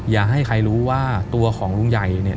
อย่าให้ใครรู้ว่าตัวของลุงใหญ่เนี่ย